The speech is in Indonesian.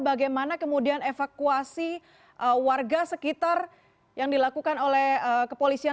bagaimana kemudian evakuasi warga sekitar yang dilakukan oleh kepolisian